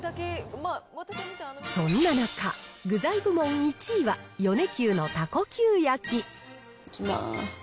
そんな中、具材部門１位は、米久のたこＱ焼き。いきます。